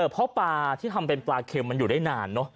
เพราะปลาที่ทำเป็นปลาเข็มมันอยู่ได้นานเนอะ